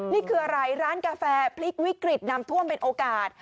นี่คืออะไรร้านกาแฟพลิกวิกฤตน้ำท่วมเป็นโอกาส